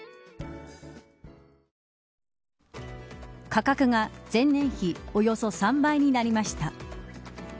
価格が前年比およそ３倍になりました。